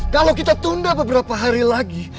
kalau kita tunda beberapa hari lagi